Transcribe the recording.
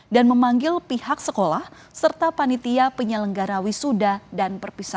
dan memanggil pihak sekolah serta panitia penyelenggara wisuda dan perpisahan